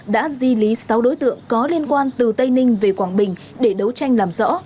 đã di lý sáu đối tượng có liên quan từ tây ninh về quảng bình để đấu tranh làm rõ